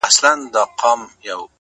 اور او اوبه یې د تیارې او د رڼا لوري،